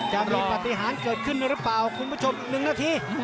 จะมีปฏิหารเกิดขึ้นหรือเปล่าคุณผู้ชมอีก๑นาที